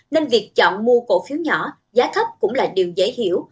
nên việc chọn mua cổ phiếu nhỏ giá thấp cũng là điều dễ hiểu